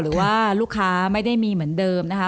หรือว่าลูกค้าไม่ได้มีเหมือนเดิมนะคะ